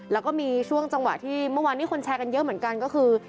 แล้วก็มีช่วงจังหวะที่เมื่อวานนี้คนแชร์กันเยอะเหมือนกันก็คือ